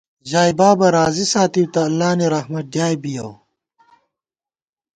ژائےبابہ راضی ساتِؤ تہ اللہ نی رحمت ڈیائے بِیَؤ